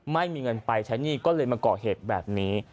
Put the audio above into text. ไม่มีเงินไปใช้หนี้ก็เลยมาก่อเหตุแบบนี้